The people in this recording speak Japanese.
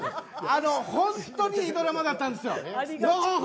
本当にいいドラマだったんですよ。